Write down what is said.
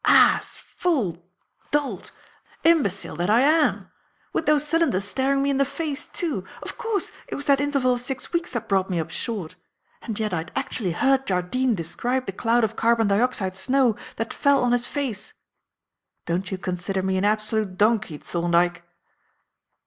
"Ass, fool, dolt, imbecile that I am! With those cylinders staring me in the face, too! Of course, it was that interval of six weeks that brought me up short. And yet I had actually heard Jardine describe the cloud of carbon dioxide snow that fell on his face! Don't you consider me an absolute donkey, Thorndyke?"